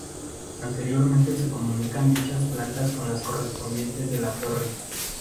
Interiormente se comunican dichas plantas con las correspondientes de la torre.